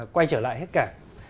quay trở lại hết cả